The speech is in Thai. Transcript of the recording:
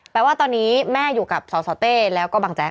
แปลว่าตอนนี้แม่อยู่กับสสเต้แล้วก็บังแจ๊